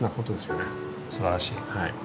はいすばらしい！